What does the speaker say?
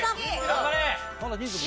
頑張れ！